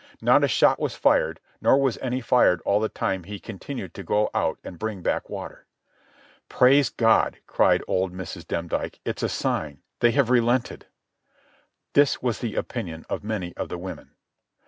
Not a shot was fired, nor was any fired all the time he continued to go out and bring back water. "Praise God!" cried old Mrs. Demdike. "It is a sign. They have relented." This was the opinion of many of the women.